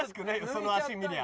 その足見りゃ